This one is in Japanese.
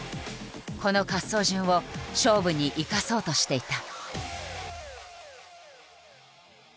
この滑走順を勝負に生かそうとしていた。